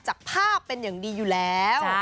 จากภาพเป็นอย่างดีอยู่แล้ว